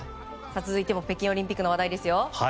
続いても北京オリンピックの話題ですよ。